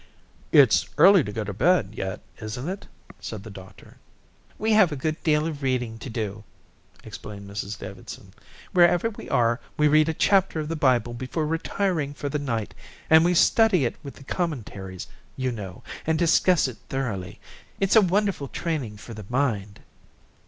"It's early to go to bed yet, isn't it?" said the doctor. "We have a good deal of reading to do," explained Mrs Davidson. "Wherever we are, we read a chapter of the Bible before retiring for the night and we study it with the commentaries, you know, and discuss it thoroughly. It's a wonderful training for the mind."